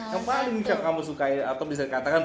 yang paling ucap kamu suka atau bisa dikatakan